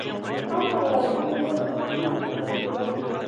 هلته یو ډیر لوی دیو اوسیده.